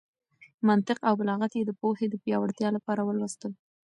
منطق او بلاغت يې د پوهې د پياوړتيا لپاره ولوستل.